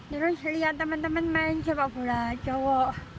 terus lihat teman teman main sepak bola cowok